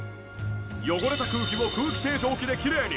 汚れた空気を空気清浄機できれいに。